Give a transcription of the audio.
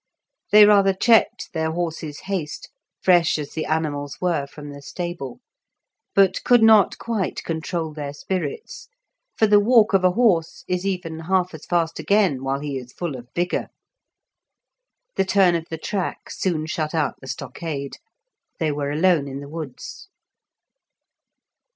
They rather checked their horses' haste, fresh as the animals were from the stable, but could not quite control their spirits, for the walk of a horse is even half as fast again while he is full of vigour. The turn of the track soon shut out the stockade; they were alone in the woods.